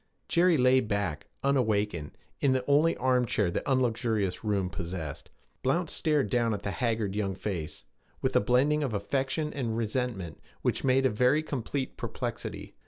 Jerry lay back, unawakened, in the only armchair the unluxurious room possessed. Blount stared down at the haggard young face, with a blending of affection and resentment which made a very complete perplexity.